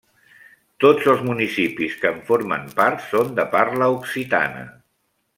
Tots els municipis que en formen part són de parla occitana.